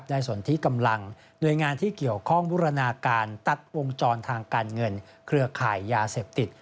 สนที่กำลังหน่วยงานที่เกี่ยวข้องบูรณาการตัดวงจรทางการเงินเครือข่ายยาเสพติด